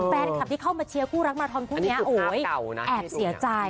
แฟนคลับที่เข้ามาเชียร์คู่รักมาทอนคู่นี้โอ๊ยแอบเสียใจ